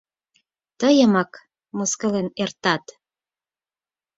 Тыйымак мыскылен эртат.